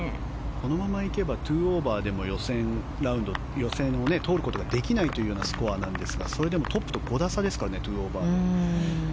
このまま行けば２オーバーでも予選を通ることができないというスコアなんですがそれでもトップと５打差ですから２オーバーは。